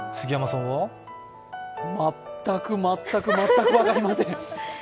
全く、全く、全く分かりません。